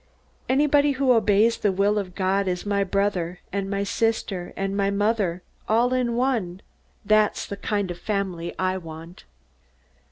Anybody who obeys the will of God is my brother and my sister and my mother, all in one. That's the kind of family I want!"